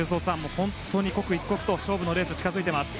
刻一刻と勝負のレースが近づいています。